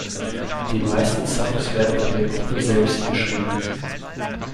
Die meisten Songs werden von der Gruppe selbst geschrieben.